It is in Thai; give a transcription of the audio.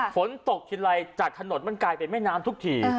ฝนตกทีไรจากถนนมันกลายเป็นแม่น้ำทุกที